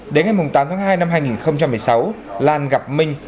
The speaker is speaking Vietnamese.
đến ngày tám tháng hai năm hai nghìn một mươi sáu lan gặp minh